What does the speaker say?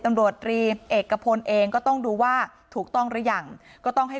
ตำรวจรีมเอกพลเองก็ต้องดูว่าถูกต้องหรือยังก็ต้องให้